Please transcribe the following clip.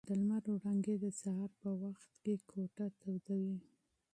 د لمر وړانګې د سهار په وخت کې کوټه تودوي.